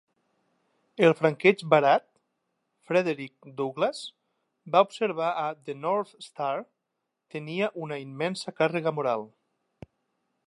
"El franqueig barat, Frederick Douglass va observar a The North Star, tenia una "immensa càrrega moral".